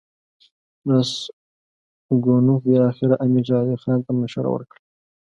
راسګونوف بالاخره امیر شېر علي خان ته مشوره ورکړه.